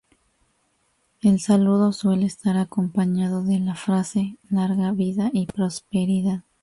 El saludo suele estar acompañado de la frase "larga vida y prosperidad".